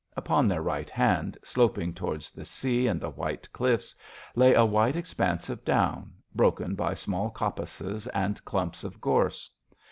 Upon their right hand, sloping towards the sea and the white cliffs, lay a wide expanse of down, broken by small coppices and clumps of gorse.